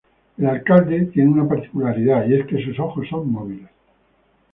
El "Alcalde" tiene una particularidad y es que sus ojos son móviles.